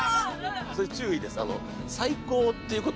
それ注意です。